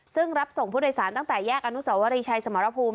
ซึ่งรับส่งผู้โดยสารตั้งแต่แยกอนุสวรีชัยสมรภูมิ